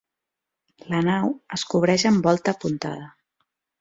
La nau es cobreix amb volta apuntada.